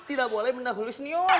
tidak boleh benda gulis di dalam toilet